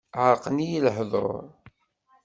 Ɛerqen-iyi lehduṛ.